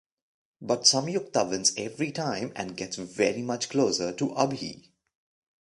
But Samyukta wins every time and gets very much closer to Abhi.